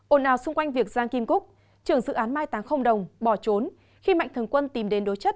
ồn ào xung quanh việc giang kim cúc trưởng dự án mai táng không đồng bỏ trốn khi mạnh thường quân tìm đến đối chất